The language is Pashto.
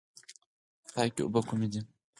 پاکې اوبه کومې دي؟